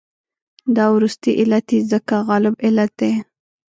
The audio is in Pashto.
دا وروستی علت یې ځکه غالب علت دی.